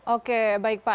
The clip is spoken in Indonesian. oke baik pak